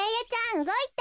うごいた。